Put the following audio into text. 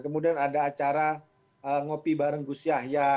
kemudian ada acara ngopi bareng gus yahya